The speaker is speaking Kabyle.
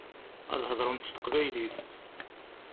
Ad heḍṛent s teqbaylit.